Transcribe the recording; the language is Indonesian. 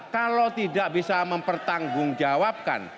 kalau tidak bisa mempertanggung jawabkan